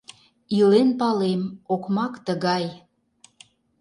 Илен, палем, окмак тыгай: